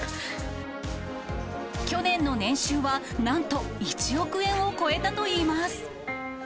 去年の年収はなんと１億円を超えたといいます。